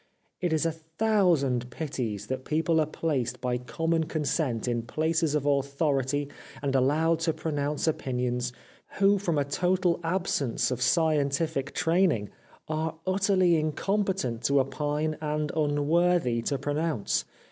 It is a thousand pities that people are placed by common consent in places of authority and allowed to pronounce opinions, who from a total absence of scientific training, are utterly imcompetent to opine and unworthy to pronounce.